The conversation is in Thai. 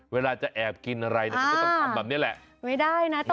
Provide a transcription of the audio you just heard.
เวลาจะแอบกินอะไรก็ต้องทำแบบนี้แหละไม่ได้นะต้องแอบ